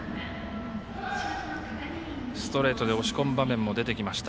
ストレートで押し込む場面も出てきました。